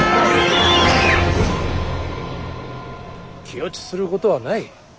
気落ちすることはない。